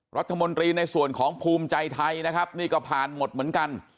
รัฐมนตรีในส่วนของภูมิใจไทยนะครับนี่ก็ผ่านหมดเหมือนกัน